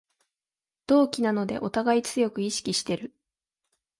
同期なのでおたがい強く意識してる